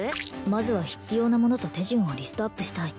まずは必要なものと手順をリストアップしたい